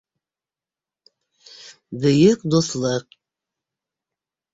«Бөйөк дуҫлыҡ»...